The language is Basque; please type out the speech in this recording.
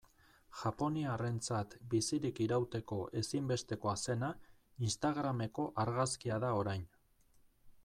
Japoniarrentzat bizirik irauteko ezinbestekoa zena, instagrameko argazkia da orain.